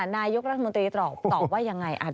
นายกรัฐมนตรีตอบว่ายังไง